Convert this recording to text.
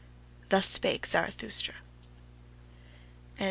Thus spake Zarathustra. XVI.